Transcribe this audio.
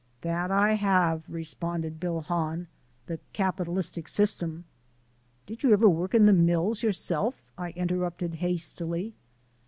"That I have," responded Bill Hahn, "the capitalistic system " "Did you ever work in the mills yourself?" I interrupted hastily.